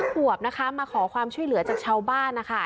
ขวบนะคะมาขอความช่วยเหลือจากชาวบ้านนะคะ